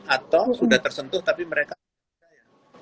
atau sudah tersentuh tapi mereka percaya